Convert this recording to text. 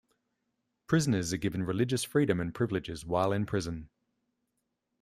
Prisoners are given religious freedom and privileges while in prison.